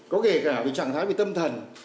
có kể cả trạng thái về tâm thần